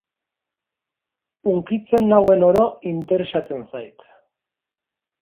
Hunkitzen nauen oro interesatzen zait.